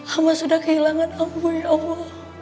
amba sudah kehilangan ambu ya allah